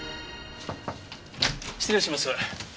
失礼します。